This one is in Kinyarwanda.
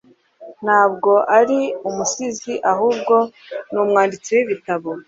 Ntabwo ari umusizi ahubwo ni umwanditsi wibitabo